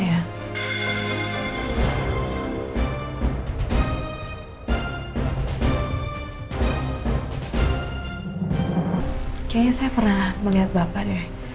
kayaknya saya pernah melihat bapak deh